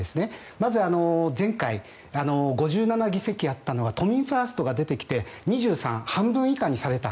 まず前回、５７議席あったのが都民ファーストが出てきて２３、半分以下にされた。